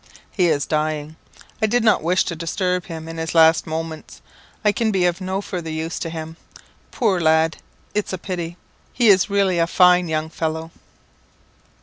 "He is dying. I did not wish to disturb him in his last moments. I can be of no further use to him. Poor lad, it's a pity! he is really a fine young fellow."